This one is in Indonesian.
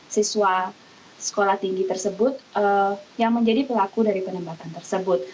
siswa sekolah tinggi tersebut yang menjadi pelaku dari penembakan tersebut